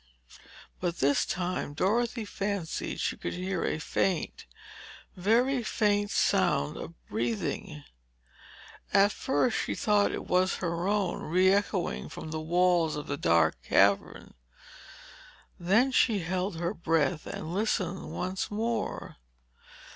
But this time Dorothy fancied she could hear a faint, very faint sound of breathing. At first she thought it was her own, reechoing from the walls of the dark cavern. Then she held her breath and listened once more.